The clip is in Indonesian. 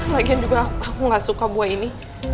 lagian juga aku gak suka buah ini